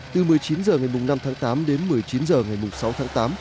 từ một mươi chín h ngày năm tháng tám đến một mươi chín h ngày sáu tháng tám